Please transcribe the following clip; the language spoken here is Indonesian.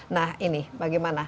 nah ini bagaimana